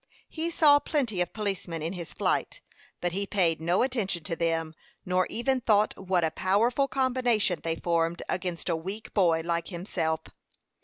He saw plenty of policemen in his flight, but he paid no attention to them, nor even thought what a powerful combination they formed against a weak boy like himself.